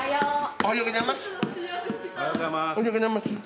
おはようございます。